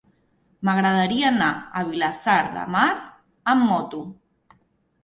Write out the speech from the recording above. M'agradaria anar a Vilassar de Mar amb moto.